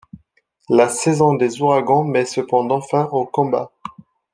La saison des ouragans met cependant fin aux combats.